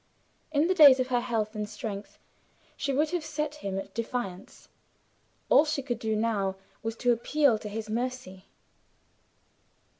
In the days of her health and strength, she would have set him at defiance. All she could do now was to appeal to his mercy.